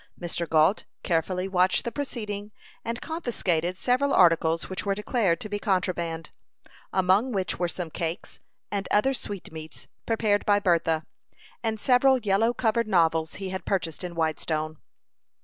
Mr. Gault carefully watched the proceeding, and confiscated several articles which were declared to be contraband, among which were some cakes and other sweetmeats, prepared by Bertha, and several yellow covered novels he had purchased in Whitestone.